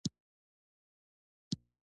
همدا دلیل و چې روسانو سخت مقاومت وکړ